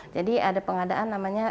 jadi ada pengadaan namanya